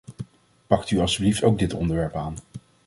Pakt u alstublieft ook dit onderwerp aan!